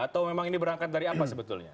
atau memang ini berangkat dari apa sebetulnya